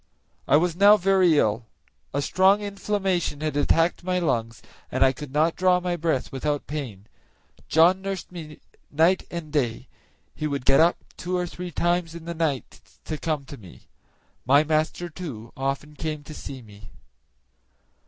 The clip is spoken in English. I was now very ill; a strong inflammation had attacked my lungs, and I could not draw my breath without pain. John nursed me night and day; he would get up two or three times in the night to come to me. My master, too, often came to see me.